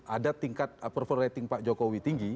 ada tingkat approval rating pak jokowi tinggi